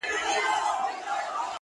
o ځوانان له هغه ځایه تېرېږي ډېر,